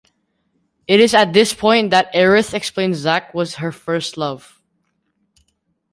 It is at this point that Aerith explains Zack was her first love.